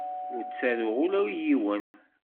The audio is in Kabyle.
Ur ttaruɣ ula i yiwen.